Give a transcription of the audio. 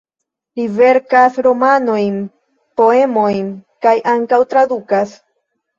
Li verkas romanojn, poemojn kaj ankaŭ tradukas.